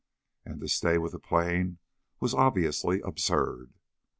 And to stay with the plane was obviously absurd.